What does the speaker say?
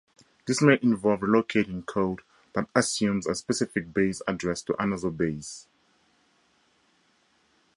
This may involve "relocating" code that assumes a specific base address to another base.